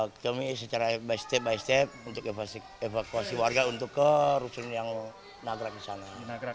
kami secara step by step untuk evakuasi warga untuk ke rusun yang nagrak kesana